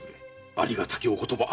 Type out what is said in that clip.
ありがたきお言葉。